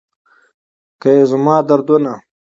که یې زما دردونه